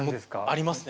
ありますね